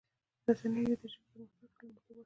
رسنی دي د ژبې پرمختګ ته لومړیتوب ورکړي.